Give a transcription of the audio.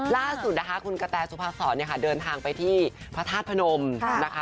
ล่าสุดนะคะคุณกะแตสุภาษรเนี่ยค่ะเดินทางไปที่พระธาตุพนมนะคะ